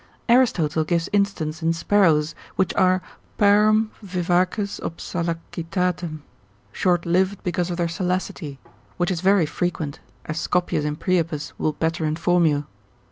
Aristotle gives instance in sparrows, which are parum vivaces ob salacitatem, short lived because of their salacity, which is very frequent, as Scoppius in Priapus will better inform you.